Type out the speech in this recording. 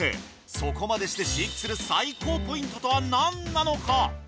そこまでして飼育する最高ポイントとは何なのか？